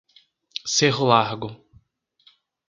Cerro Largo